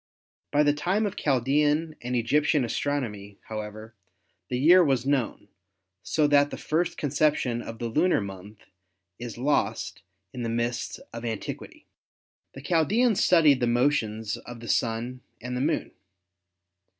By the time of Chaldean and Egyptian astronomy, however, the year was known, so that the first conception of the lunar month is lost in the mists of antiquity. The Chaldeans studied the motions of the Sun and the Moon.